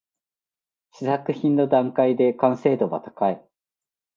試作品の段階で完成度は高い